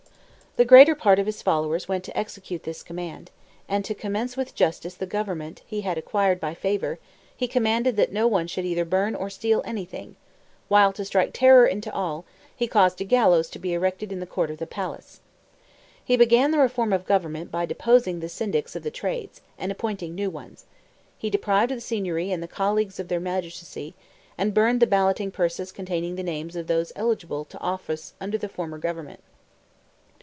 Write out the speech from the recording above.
The greater part of his followers went to execute this commission; and, to commence with justice the government he had acquired by favor, he commanded that no one should either burn or steal anything; while, to strike terror into all, he caused a gallows to be erected in the court of the palace. He began the reform of government by deposing the Syndics of the trades, and appointing new ones; he deprived the Signory and the Colleagues of their magistracy, and burned the balloting purses containing the names of those eligible to office under the former government.